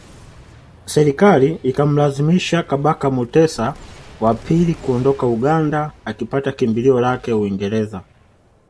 Serikali ikamlazimisha Kabaka Mutesa wa pili kuondoka Uganda akipata kimbilio lake Uingereza